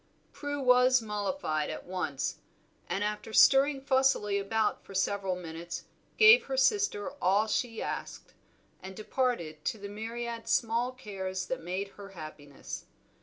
Prue was mollified at once, and after stirring fussily about for several minutes gave her sister all she asked, and departed to the myriad small cares that made her happiness.